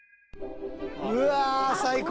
うわ最高！